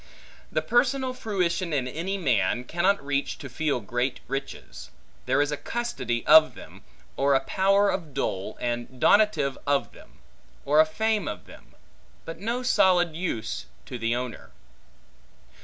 The personal fruition in any man, cannot reach to feel great riches: there is a custody of them; or a power of dole, and donative of them; or a fame of them; but no solid use to the owner.